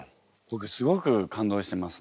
ぼくすごく感動してます